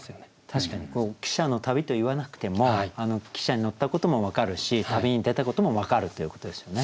確かに「汽車の旅」と言わなくても汽車に乗ったことも分かるし旅に出たことも分かるっていうことですよね。